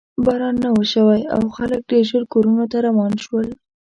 باران نه و شوی او خلک ډېر ژر کورونو ته روان شول.